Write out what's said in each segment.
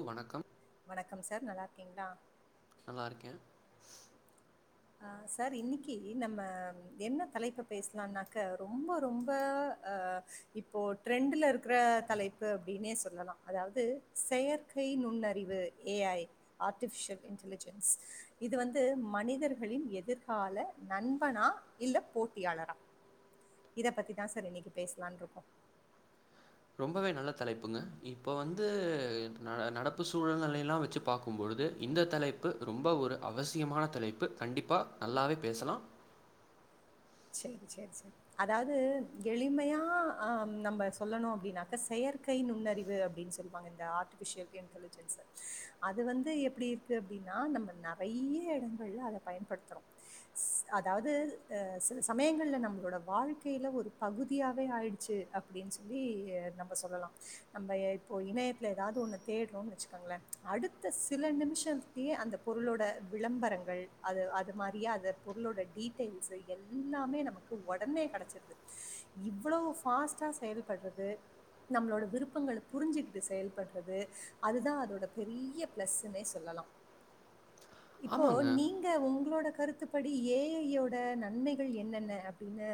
Low வணக்கம் வணக்கம் sir நல்லா இருக்கீங்களா நல்லாருக்கே அ சார் இன்னிக்கு நம்ம என்ன தலைப்ப பேசலாம்னாக்க ரொம்ப ரொம்ப அ இப்போ ட்ரெண்ட்டுல இருக்கிற தலைப்பு அப்டின்னே சொல்லலா அதாவது செயற் கை நுண்ணறிவு ஏ ஐ ஆர்டிபிஷியல் இன்டலிஜென்ஸ் இது வந்து மனிதர் களின் எதிர்கால நண்பனா இல்ல போட்டியாளரா இத பத்திதா சார் இன்னிக்கு பேசலாம்ன்ருக்கோ ரொம்பவே நல்ல தலைப்புங்க இப்ப வந்து நடப்பு சூழ்நெலையெல்லா வச்சு பாக்கும்பொ ழுது இந்த தலைப்பு ரொம்ப ஒரு அவசியமான தலைப்பு கண்டிப்பா நல்லாவே பேசலா சேரி சேரி சேரி அதாவது எளிமையா அ நம்ம சொல்லணு அப்டின்னாக்க செயல் செயற்க்கை நுண்ணறிவு அப்டின்னு சொல்லுவாங்க இந்த ஆர்டிவிசியல் இண்ட்டலிஜென்ஸ்ச அது வந்து எப்டி இருக்கு ப்டின்னா நம்ம நெறைய எடங்கள்ல அத பயன்படுத்தறோம் ஸ் அதாவது சில சமயங்கள்ல நம்மளோட வாழ்க்கையில ஒரு பகுதியாவே ஆயிடுச்சு அப்டின்னு சொல்லி நம்ம சொல் லாம் நம்ம இப்போ இணையத்துல ஏதாவது ஒன்னு தேட்றோன்னு வச்சுக்கோங்களே அடுத்த சில நிமிஷ தியே அந்த பொருளோட விளம்பரங்கள் அது அது மாறியே அது பொருளோட டீட்டெயில்ஸ்சு எல்லாமே நமக்கு உடனே கிடைச்சிருது இவ்வளவு ஃபாஸ்ட்டா செயல்பட்றது நம்மளோட விருப்பங்கள புரிஞ்சுக்கிட்டு செயல்பட்றது அதுதா அதோட பெரிய பிளஸ்சுன்னே சொல்லா லாம் இப்போ ஆமாங்க. நீங்க உங்களோட கருத்துப்படி ஏ ஐ யோட நன்மைகள் என்னென்ன அப்டின்னு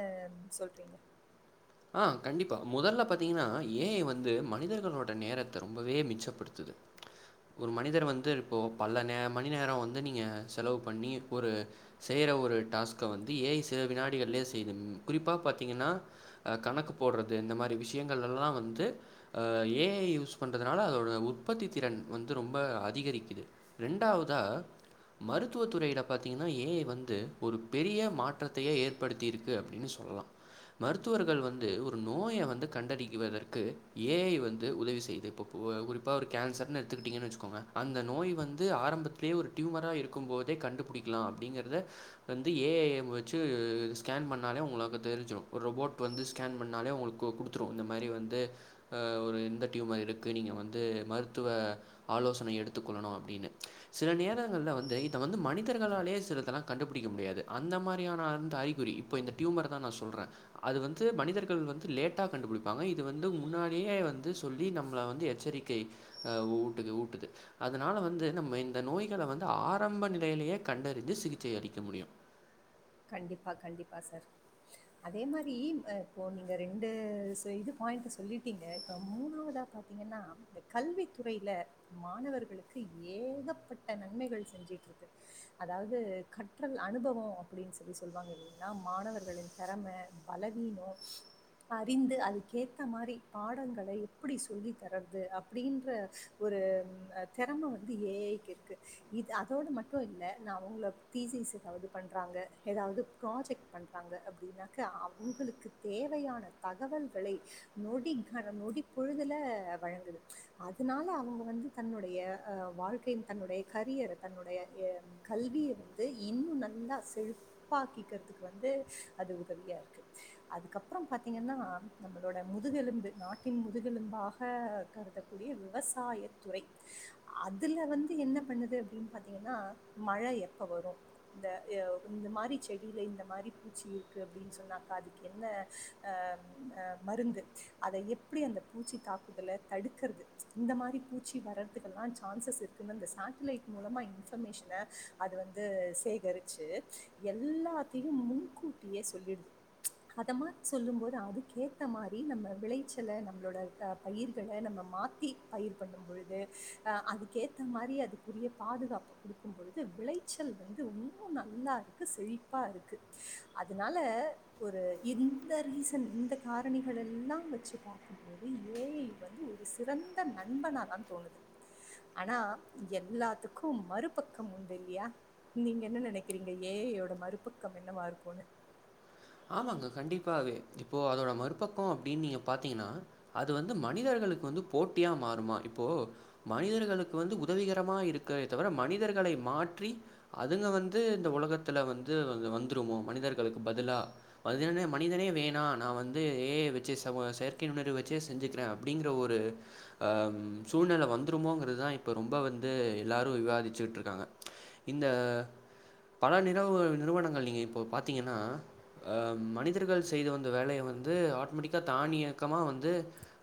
சொல்றீங்க ஆ கண்டிப்பா முதல்ல பாத்தீங்கன்னா ஏ ஐ வந்து மனிதர்களோட நேரத்த ரொம்பவே மிச்சப்படுத்து ஒரு மனிதர் வந்து இப்போ பல நேர பல மணி நேரம் வந்து நீங்க செலவு பண்ணி ஒரு செயல் ல ஒரு டாஸ்க வந்து ஏ ஐ சில வினாடிகள்லயே செய்து குறிப்பா பாத்தீங்கன்னா கணக்கு போட்றது இந்த மாறி விஷயங்கள் எல்லா வந்து அ ஏ ஐ யூஸ் பண்றதுனால அதோட உத் உற்பத்தி திறன் வந்து ரொம்ப அதிகரிக்குது ரெண்டாவுதா மருத்துவ துறையில பாத்தீங்கன்னா ஏ ஐ வந்து ஒரு பெரிய மாற்றத்தையே ஏற்படுத்தியிருக்கு அப்டின்னு சொல்லலா மருத் துவர்கள் வந்து ஒரு நோய வந்து கண்டறிவதற்கு ஏ ஐ வந்து உதவி செய்து இப்பப் குறி இப்ப ஒரு கேன்சர்னு எடுத்துக்கிட்டீங்கன்னு வச்சுக்கோங்க அந்த நோய் வந்து ஆரம்பத்திலேயே ஒரு டியூமரா இருக்கும் போதே கண்டுபுடிக் லாம் அப்டிங்கறத வந்து ஏ ஐ ம் வச்சு ஸ்கேன் பண்ணாலே உங்களுக்கு தெரிஞ்சிடும் ஒரு ரொபோட் டு வந்து ஸ்கேன் பண்ணாலே உங்களுக்கு குடுத்துரும் இந்த மாறி வந்து அ ஒரு இந்த ட்யூமர் இருக்கு நீங்க வந்து மருத்துவ ஆலோசனை எடுத்துக்கொள்ளணும் அப்டின்னு சில நேரங்கள்ல வந்து இத வந்து மனிதர்களா லயே சிலதல்லா கண்டுபுடிக்க முடியாது அந்த மாரியான அந்த அறிகுறி இப்ப இந்த டியூமர் தா நா சொல்றே அது வந்து மனிதர்கள் வந்து லேட்டா கண்டுபுடிப்பாங்க இது வந்து முன்னாடியே வந்து சொல்லி நம்மால வந்து எச்சரிக் கை அஹ் ஊட்டுது ஊட்டுது அதனால வந்து நம்ம இந்த நோய்களை வந்து ஆரம்ப நிலையிலயே கண்டறிந்து சிகிச்சை அளிக்க முடியு கண்டிப்பா கண்டிப்பா சார் அதே மாரி அ இப்போ நீங்க ரெண்டு இதுப் பாயிண்டு சொல்லிட்டீங்க இப்ப மூணாவதா பாத்தீங்கன்னா இந்த கல்வி துறையில மாணவர்களுக்கு ஏகப்பட்ட நன்மைகள் செஞ்சுட்டு இருக்கு அதாவது கற்றல் அனுபவோ அப்டின்னு சொல்லி சொல்லுவாங்க இல்லிங்ளா மாணவர்களின் தெறம பலவீனோ அறிந்து அதுக்கேத்த மாரி பாடங்கள எப்டி சொல்லி தர்றது அப்டின்ற ஒ ரு திறம வந்து ஏ ஐ க்கு இருக்கு இது அதோடு மட்டும் இல்ல நா உங்கள தீஸீஸ் எதாவது பண் றாங்க ஏதாவது ப்ராஜெக்ட் பண்றாங்க அப்டின்னாக்க அவுங்களுக்கு தேவயான தகவல் களை நொடி ணம் நொடி பொழுதுல வழங்குது அதனால அவுங்க வந்து தன்னுடை ய அஹ் வாழ்க்கையின் தன்னுடைய கரியர தன்னுடைய கல்விய வந்து இன்னும் நல்லா செழுப்பாக்கிக்கறதுக்கு வந்து அது உதவியா இருக்கு அதுக்கப்புறம் பாத்தீங்கன்னா நம்மளோட முதுகெலும்பு நாட்டின் முதுகெலும்பாக கருதக்கூடிய விவசாய துறை அதுல வந்து என்ன பண்ணுது அப்படின் பாத்தீங்கன்னா மழை எப்ப வரு இந்த எ இந்த மாரி செடியில இந்த மாரி பூச்சி இருக்குது அப்படின்னு சொன்னாக்கா அதுக்கு என்ன ஆ அ மருந்து அத எப்படி அந்த பூச்சி தாக்குதலை தடுக்கிறது இந்த மாதிரி பூச்சி வர்றதுல்லா சான்சஸ் இருக்குன்ன அந்த சட்டலைட் மூலமா இன்பர்மேஷனை அது வந்து சேகரிச்சு எல்லாத்தையு முன்கூட்டியே சொல்லிடுது அத மாரி சொல்லும் போது அதுக்கேத்த மாரி நம்ம விளைச்சலை நம்மளோட அ பயிர்கள நம்ம மாத்தி பயிர் பண்ணும் பொழுது ஆ அதுக்கேத்த மாரி அதுக்குரிய பாதுகாப்பு குடுக்கும் பொழுது விளைச்சல் வந்து இன்னு நல்லா இரு க்கு செழிப்பா இருக்கு அதனால ஒரு எந்த ரீசன் இந்த காரணிகள் ல்லா வச்சு பாக்கும்போது ஏ ஐ வந்து ஒரு சிறந்த நண்பனாதா தோணுது ஆனா எல்லாத்துக்கும் மறுபக்கம் உண்டு இல்லையா நீங்க என்ன நினைக்கிறீங்க ஏ ஐ யோட மறுபக்கம் என்னவா இருக்குனு ஆமாங்க கண்டிப்பாவே இப்போ அதோட மறுபக்கோ அப்டின்னு நீங்க பாத்தீங்கன்னா அது வந்து மனிதர் ளுக்கு வந்து போட்டியா மாறுமா இப்போ மனிதர்களுக்கு வந்து உதவிகரமா இருக்கிறதே தவிர மனிதர்கள் ளை மாற்றி அதுங்க வந்து இந்த உலகத்தில வந்து வந்துருமோ மனிதர்களுக்கு பதிலா வரு மனிதனே வேணா நா வந்து ஏ வச்சு ச செயற்கை நுண்ணறிவு வே வெச்சே செஞ்சுக்கிறே அப்படிங்கிற ஒ ஒரு ஆம் சூழ்நிலை வந்துருமோங்கிறதுதா இப்ப ரொம்ப வந்து எல்லாரு விவாதிச்சுட்ருக்காங்க இந்த பல நிறவு நிறுவனங்கள் நீங்க இப்போ பாத்தீங்கன்னா ஆ மனிதர்கள் செய்த வந்த வேலய வந்து ஆட்டோமேட்டிக்கா தானியக்கமா வந்து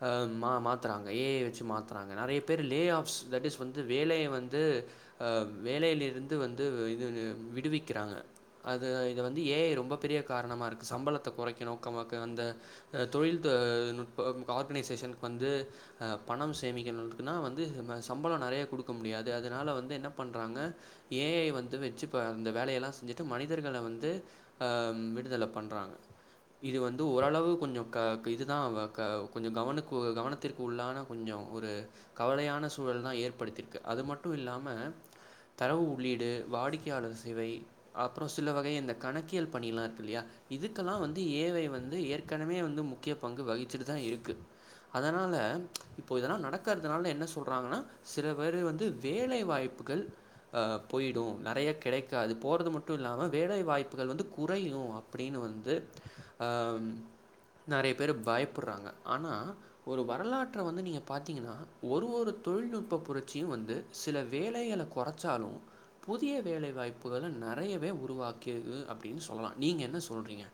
ஆம் மா மாற்றுறாங்க ஏ ஐ வச்சு மாத்துறாங்க நெறைய பேர் லே ஆஃப்ஸ் தட் இஸ் வந்து வேலைய வந்து அ அவ் வேலையிலிருந்து வந்து இது விடுவிக்கிறாங்க அது இது வந்து ஏ ஐ ரொம்ப பெரிய காரணமாக இருக்கு சம்பளத்தை கொறைக்க நோக்கமாக்கு அந்த அ தொழில் தொ நுட்ப ஆர்கனைசேஷன் வந் வந்து ஆ பணம் சேமிக்கனுதுக்குனா வந்து நம்ம சம்பளம் நெறையா குடுக்க முடியாது அதனால வந்து என்ன பண் ன்றாங்க ஏ ஐ வந்து வச்சு அந்த வேலையெல்லா செஞ்சுட்டு மனிதர்கள வந்து ஆ விட் இதில பண்றாங்க இது வந்து ஓரளவு கொஞ்சம் கா இதுதா வ க கொஞ்ச க கவனக்கு கவனத்திற்கு உள்ளான கொஞ்ச ஒரு கவலையான சூழல் அதுதா ஏற்படுத்தியிருக்கு அது மட்டு இல்லாம தரவு உள்ளீடு வாடிக்கையாளர் சேவை அப்பற சில வகைய இந்த கணக்கியல் பணியல்லா இல்லையா இதுக்கெல்லா வந்து ஏஐ வந்து ஏற்கனவே வந்து முக்கிய பங்கு வகிச்சுட்டு தா இருக்கு அதனால இப்போ இதெல்லா நடக்கறதுனால என்ன சொல்றாங்கன்னா சில பேர் வந்து வேலை வாய்ப்புகள் ஆ போயிடு நெறைய கிடைக்காது போறது மட்டு இல்லாம வேலை வாய்ப்புகள் வந்து குறையு அப்படின்னு வந்து ஆம் நறைய பேர் பயப்படுறாங்க ஆனா ஒரு வரலாற்ற வந்து நீங்க பாத்தீங்கன்னா ஒரு ஒரு தொழில்நுட்ப புரட்சியு வந்து சில வேலகள கொறச்சாலு புதிய வேலை வாய்ப்புகள நறையவே உருவாக்கியது அப்டின்னு சொல்லலா நீங்க என்ன சொல்றீங்க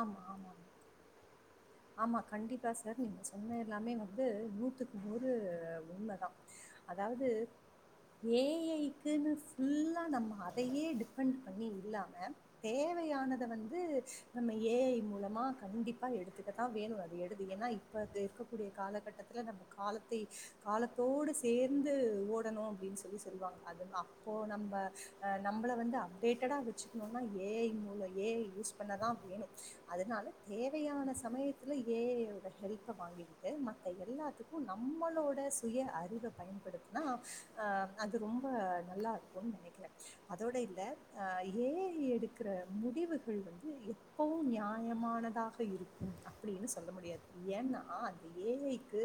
ஆமா ஆமா ஆமா கண்டிப்பா சார் நீங்க சொன்ன எல்லாமே வந்து நூத்துக்கு நூறு உண்ம தா அதாவது ஏ ஐக்குன்னு ஃபுல்லா நம்ம அதயே டிபெண்ட் பண்ணி இல்லாம தே வையானத வந்து நம்ம ஏ ஐ மூலமா கண்டிப்பா எடுத்துக்கதா வேணு அது எடுத்திங்கன்னா இப்ப இருக்கக்கூடிய காலகட்டத்தில நம்ம காலத்தை காலத்தோடு சேந்து ஓடணு அப்டின்னு சொல்லி சொல்லுவாங்க அது அப்போ அப்போ நம்ப அ நம்மள வந்து அப்டேட்டடா வச்சுக்கணும்னா ஏ ஐ மூல ஏ யூஸ் பண்ணதா வேணு அதனால தேவையான சமயத்தில ஏ ஐ யோட ஹெல்ப்ப வாங்கிக்கிட்டு மத்த எல்லா த்துக்கு நம்மளோட சுய அறிவை பயன்படுத்தினா ஆ அது ரொம்ப நல்லாருக் கும் நெனைக்கிறே அதோட இல்ல ஆ ஏ ஐ எடுக்கிற முடிவுகள் வந்து எப் அப்பவு நியாயமானதாக இருக்கும் அப்டின்னு சொல்ல முடியாது ஏன்னா அந்த ஏ ஐ க்கு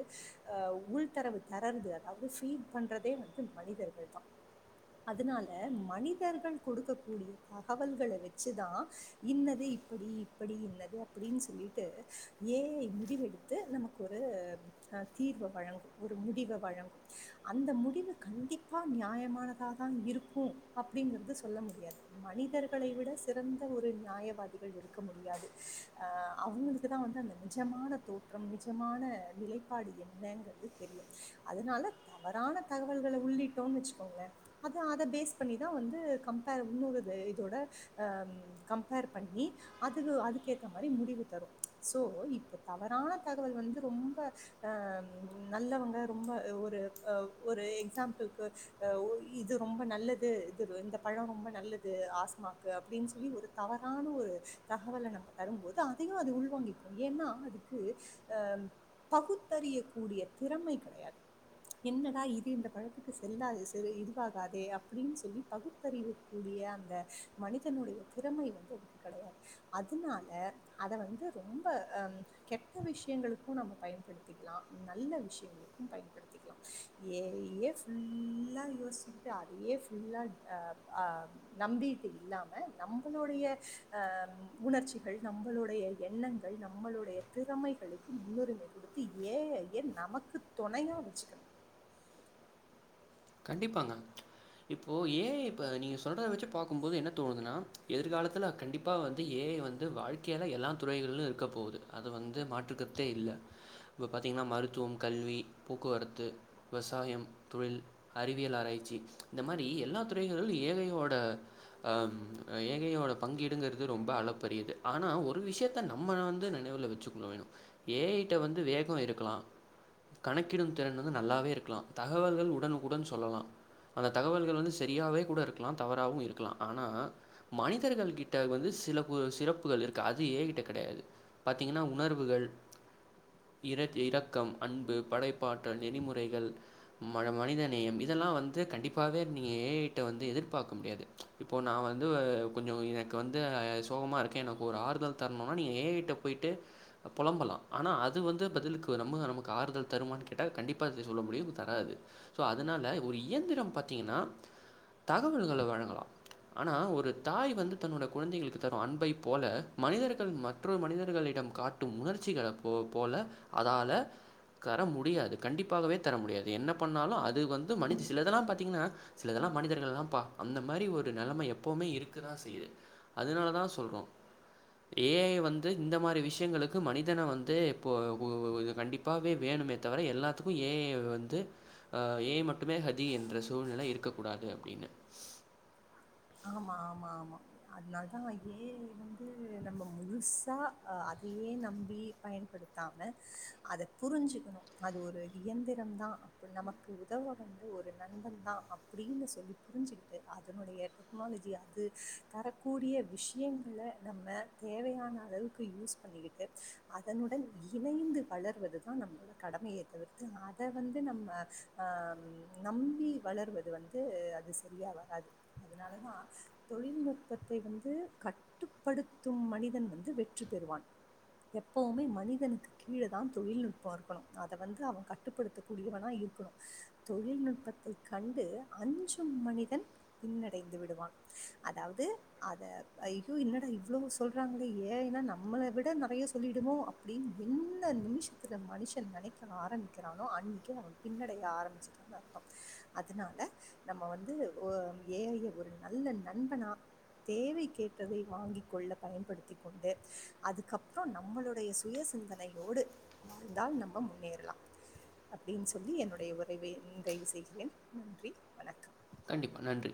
அ உள்தரவு தர்றது அதாவது ஃபீட் பண்றதே வந்து மனிதர்கள் தா அதனால மனிதர்கள் கொடுக்கக் கூடிய தகவல்கள வெச்சுதா இன்னத இப் படி இப்படி என்னது அப்படின் சொல்லிட்டு ஏ ஐ முடிவெடுத்து நமக்கு ஒரு ஆ தீர்வு வழங்கு ஒரு முடிவ வழங்கு அந்த முடிவு கண்டிப்பா நியாயமானதா தா இருக்கு அப்டிங்கிற்து சொல்ல முடியாது மனிதர்களை விட சிறந்த ஒரு நியாயவாதி கள் இருக்க முடியாது அ அவுங்களுக்கு தா வந்து அந்த நிஜமான தோற்றம் நிஜமான நிலைப் பாடு என்னங்கற்து தெரியு அதனால தவறான தகவல்கள உள்ளிட்டோன் வெச்சுக்கோங்ளே அது அத பேஸ் பண்ணிதா வந்து கம்பேரு உன்னொரு இத இதோட அ ம் கம்பேர் பண்ணி அதுக்கு அதுக்கு ஏத்த மாரி முடிவு தரு சோ இப்போ தவறான தகவல் வந்து ரொம்ப அ ம் நல்லவங்க ரொம்ப ஒரு அ ஒரு எக்ஸாம்பில்க்கு அ ஓ ஏ இது ரொம்ப நல்லது இது இந்த பழோ நல்லது ஆஸ்மாக்கு அப்புடின் சொல்லி ஒரு தவறான ஒரு தகவல நம்ப தரும்போது அதையு அது உள்வாங்கிக்கு ஏன்னா அதுக்கு அ பகுத் தறியக் கூடிய திறமை கெடையாத் என்னடா இது இந்த பழத்துக்கு செல்லாது செ இ இதுவாகாதே அப்டின் சொல்லி பகுத்தறிவு கூடி ய அந்த மனிதனுடைய திறமை வந்து அதுக்கு கடையாது அதனால அத வந்து ரொம்ப அ ம் கெட்ட விஷயங்களுக்கு நம்ம பயன்படுத்திக் கிலா நல்ல விஷயங்களுக்கும் பயன்படுத்திக்லா ஏஐயே ஃபுல்லா யோஸ்ச்சிகிட்டு அதையே ஃபுல்லா அ அ நம்பிட்டு இல்லாம நம்பளுடைய அ உணர்ச்சிகள் நம்பளுடைய எண்ணங்கள் நம்பளுடைய திறமைகளுக்கு முன்னுரிமை குடுத்து ஏ ஏ ஐய நமக்கு துணையா வெச்சுக்கணு கண்டிப்பாங்க இப்போ ஏ ஐ இப்ப நீங்க சொல்றத வெச்சு பாக்கும்போது என்ன தோணுதுன்னா எதிர்காலத்தில கண்டிப்பா வந்து ஏ ஐ வந்து வாழ்க்கையல்ல எல்லா துறைகளிலு இருக்க போகுது அது வந்து மாற்றுக்கருத்தே இல்ல இப்ப பாத்தீங்கன்னா மருத்துவம் கல்வி போக்குவரத்து விவசாயம் தொழில் அறிவியல் ஆராய்ச்சி இந்த மாரி எல்லா துறைகளில் ஏகையோட அம் ஏகையோட பங்கீடுங்கிறது ரொம்ப அளப்பரியது ஆனா ஒரு விஷயத்த நம்ம வந்து நென வுல வெச்சுக்கொள்ள வேணு ஏஐ ட வந்து வேகோ இருக்லா கணக்கிடு திறன் வந்து நல்லாவே இருக்கலா தகவல்கள் உடனுக்குடன் சொல்லலா அந்த தகவல்கள் வந்து சரியாவே கூட இருக்லா தவறாவு இருக்கலா ஆனா மனிதர்கள் கிட்ட வந்து சில பு சிறப்புகள் இருக்கு அது ஏ ஐ கிட்ட கெடையாது பாத்தீங்கன்னா உணர்வுகள் இர இரக்கம் அன்பு படைப்பாற்றல் நெறிமுறைகள் ம் ம மனித நேயம் இதெல்லா வந்து கண்டிப்பாவே நீங்க ஏ ஐட்ட வந்து எதிர்பாக்க முடியாது இப்போ நா வந்து அ கொஞ்சு எனக்கு வந்து சோகம இருக்கு எனக்கு ஒரு ஆறுதல் தரணுனா நீங்க ஏ ஐ ட்ட போய்ட்டு பொலம்பலா ஆனா அது வந்து பதிலுக்கு நம்ம நமக்கு ஆறுதல் தருமானு கேட்டா கண்டிப்பா அத சொல்ல முடியு அது தராது ஸோ அதனால ஒரு இயந்திரம் பாத்தீங்கன்னா தகவல்கள வழங்கலா ஆனா ஒரு தாய் வந்து தன்னோட குழந்தைகளுக்கு தரு அன்பை போல மனிதர்கள் மற்றொரு மனிதர்களி டம் காட்டும் உணர்ச்சிகள போ போல அதால தர முடியாது கண்டிப்பாகவே தர முடியாது என்ன பண்ணாலு அ வந்து மனித சிலதல்லா பாத்தீங்கன்னா சிலதல்லா மனிதர்கள் எல்லா ப அந்த மாரி ஒரு நிலைமை எப்போவ்மே இருக்க தா செய்யுது அதனால தா சொல்றோ ஏ ஐ வந்து இந்த மாதிரி விஷயங்களுக்கு மனிதன வந்து இப்போ ஒ ஒ இது கண்டிப்பாவே வே ணுமே தவிர எல்லாத்துக்கு ஏ ஐய வந்து ஆ ஏ ஐ மட்டுமே ஹதி என்ற சூழ்நிலை இருக்க கூடாது அப்டீனு ஆமா ஆமா ஆமா அத்னால் தா ஏ ஐ வந்து நம்ம முழுசா அ அதையே நம்பி பயன் படுத்தாம அத புரிஞ்சுக்கணு அது ஒரு இயந்திரம் தா அப்பின் நமக்கு உதவ வந்து ஒரு நண்பன் தா அப்புடீனு சொல்லி புரிஞ்சுக்கிட்டு அதனுடைய டெக்னாலஜி அது தரக்கூடிய விஷயங்கள நம்ம தேவையான அளவுக்கு யூஸ் பண் ன்னிகிட்டு அதனுடன் இணைந்து வளர்வதுதான் நம்மளோட கடமையே தவிர்த்து அத வந்து நம்ம அ நம்பி வளர்வது வந்து அது சரியா வராது அதனாலதா தொழில்நுட்பத்தை வந்து கட்டுப்படுத்தும் மனிதன் வந்து வெற்றி பெறு வான் எப்பவுமே மனிதனுக்கு கீழ தா தொழில்நுட்போ இருக்கணு அத வந்து அவ கட்டுப்படுத்தக்கூடியவனா இ ருக்கணு தொழில்நுட்பத்தை கண்டு அஞ்சும் மனிதன் பின்ன டைந்து விடுவான் அதாவது அத ஐயோ என்னடா இவ்வளவு சொல்றாங்கலே ஏ ஐ ன்னா நம்ம நம்மள விட நெறைய சொல்லிடுமோ அப்டின்னு என்ன நிமிஷத்தில மனுஷன் நெனைக்க ஆரம்பிக்கிறானோ அன் னிக்கே அவ பின்னடைய ஆரம்பிச்சிட்டானு அர்த்தோ அதனால நம்ம வந்து ஒ ஏ ஐ ய ஒரு நல்ல நண்பனா தேவை கேற்றதை வாங்கிகொள்ள பயன்படுத்திக் கொண்டு அதுக்கப்புறோ நம்மளுடைய சுய சிந்தனையோடு வாழ்ந்தால் நம்ம முன்னேறலா அப்டின்னு சொல்லி என்னுடைய உரைவை நிறைவு செய்கிறேன் நன்றி வணக்கம் கண்டிப்பா நன்றி